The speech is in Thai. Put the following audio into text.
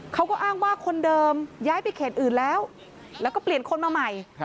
เขาก็อ้างว่าคนเดิมย้ายไปเขตอื่นแล้วแล้วก็เปลี่ยนคนมาใหม่